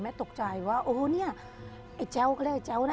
ตกใจว่าโอ้เนี่ยไอ้แจ้วก็เรียกแจ้วนะ